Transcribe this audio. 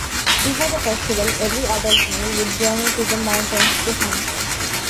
Before the festival, every adult male would journey to the mountains to hunt.